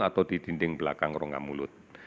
atau di dinding belakang rongga mulut